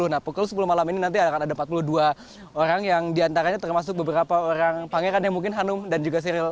nah pukul sepuluh malam ini nanti akan ada empat puluh dua orang yang diantaranya termasuk beberapa orang pangeran yang mungkin hanum dan juga seril